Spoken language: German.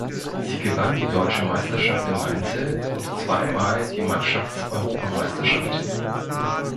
Sie gewann die Deutsche Meisterschaft im Einzel und zweimal die Mannschafts-Europameisterschaft.